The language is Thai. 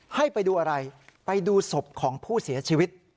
ให้ไปดูอะไรไปดูศพของผู้เสียชีวิต